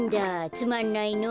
つまんないの。